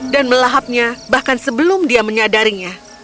dan melahapnya bahkan sebelum dia menyadarinya